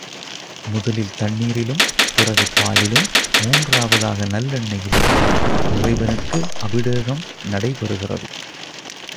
முதலில் தண்ணீரிலும் பிறகு பாலிலும், மூன்றாவதாக நல்லெண்ணெயிலும் இறைவனுக்கு அபிடேகம் நடைபெறுகிறது.